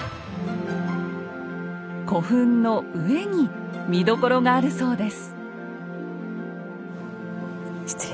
古墳の上に見どころがあるそうです。